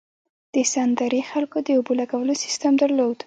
د سند درې خلکو د اوبو لګولو سیستم درلود.